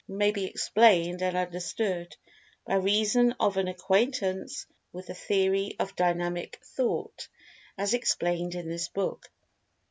may be explained and understood, by reason of an acquaintance with the "Theory of Dynamic[Pg 210] Thought," as explained in this book.